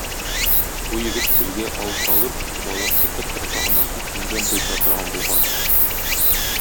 Бу егет күлгә ау салып, балык тотып, ата-анасын шуның белән туйдыра торган булган.